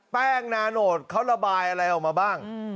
แป้งนาโนตเขาระบายอะไรออกมาบ้าง